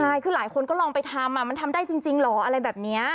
ใช่คือหลายคนก็ลองไปทำมันทำได้จริงเหรออะไรแบบนี้